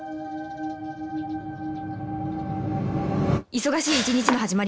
忙しい一日の始まり